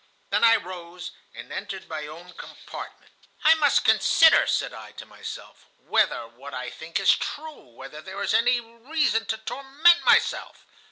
Then I rose and entered my own compartment. "'I must consider,' said I to myself, 'whether what I think is true, whether there is any reason to torment myself.